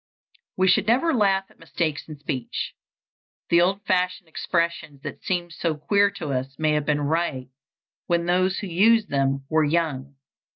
We should never laugh at mistakes in speech. The old fashioned expressions that seem so queer to us may have been right when those who use them were young.